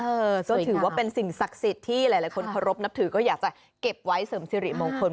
เออก็ถือว่าเป็นสิ่งศักดิ์สิทธิ์ที่หลายคนเคารพนับถือก็อยากจะเก็บไว้เสริมสิริมงคล